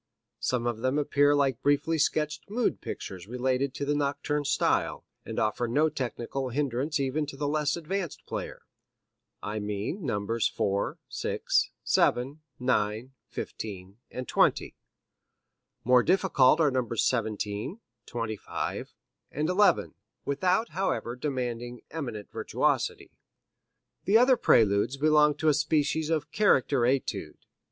Some of them appear like briefly sketched mood pictures related to the nocturne style, and offer no technical hindrance even to the less advanced player. I mean Nos. 4, 6, 7, 9, 15 and 20. More difficult are Nos. 17, 25 and 11, without, however, demanding eminent virtuosity. The other Preludes belong to a species of character etude.